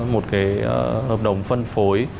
một cái hợp đồng phân phối